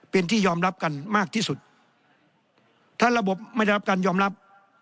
เป็นที่ยอมรับกันมากที่สุดถ้าระบบไม่ได้รับการยอมรับ